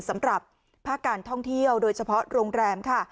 สำหรับภาคการท่องเที่ยวโดยเฉพาะโรงแรมค่ะ